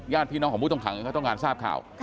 พี่น้องของผู้ต้องขังเขาต้องการทราบข่าว